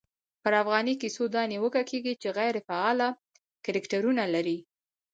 پرا فغانۍ کیسو دا نیوکه کېږي، چي غیري فعاله کرکټرونه لري.